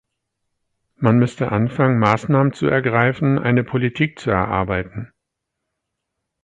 Man müsste anfangen, Maßnahmen zu ergreifen, eine Politik zu erarbeiten.